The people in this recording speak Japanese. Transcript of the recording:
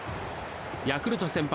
ヤクルト先発